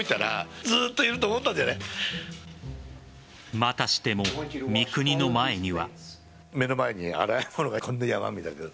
またしても、三國の前には。